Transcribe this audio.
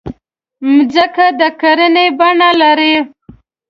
مځکه د کُرې بڼه لري.